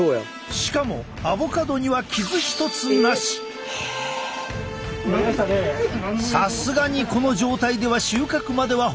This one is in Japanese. しかもさすがにこの状態では収穫までは程遠い。